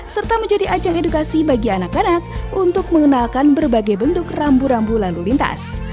serta menjadi ajang edukasi bagi anak anak untuk mengenalkan berbagai bentuk rambu rambu lalu lintas